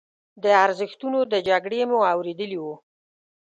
د ارزښتونو د جګړې مو اورېدلي وو.